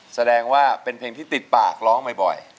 แสดงว่าเป็นเพลงที่ติดปากร้องบ่อย